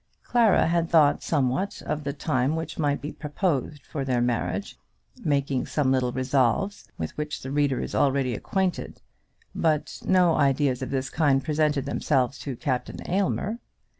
Clara had thought somewhat of the time which might be proposed for their marriage, making some little resolves, with which the reader is already acquainted; but no ideas of this kind presented themselves to Captain Aylmer.